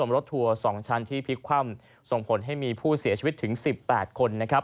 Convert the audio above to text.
รถทัวร์๒ชั้นที่พลิกคว่ำส่งผลให้มีผู้เสียชีวิตถึง๑๘คนนะครับ